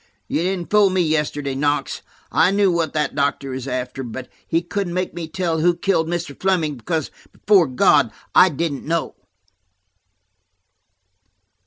You didn't fool me yesterday, Knox; I knew what that doctor was after. But he couldn't make me tell who killed Mr. Fleming, because, before God, I didn't know."